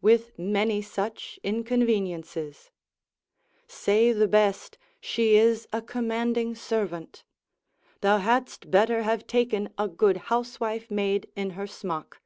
with many such inconveniences: say the best, she is a commanding servant; thou hadst better have taken a good housewife maid in her smock.